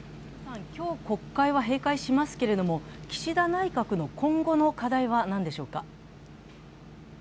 今日、国会は閉会しますけれども岸田内閣の今後の課題は何でしょうか？